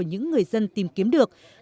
người dân tìm kiếm được